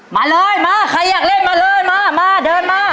มาเลยมาใครอยากเล่นมาเลยมามาเดินมา